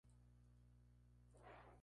Ese fue el origen del nombre de la provincia.